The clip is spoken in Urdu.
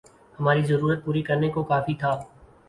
ہماری ضرورت پوری کرنے کو کافی تھا